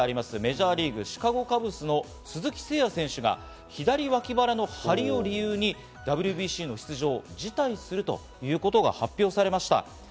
メジャーリーグ、シカゴ・カブスの鈴木誠也選手が左脇腹の張りを理由にＷＢＣの出場を辞退するということが発表されました。